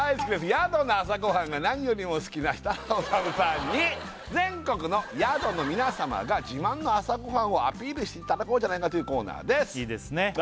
宿の朝ごはんが何よりも好きな設楽統さんに全国の宿の皆様が自慢の朝ごはんをアピールしていただこうじゃないかというコーナーですいいですね